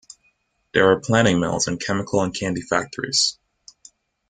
There were planing mills, and chemical and candy factories.